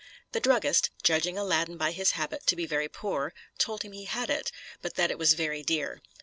The druggist, judging Aladdin by his habit to be very poor, told him he had it, but that it was very dear.